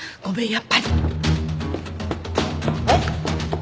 やっぱり。えっ？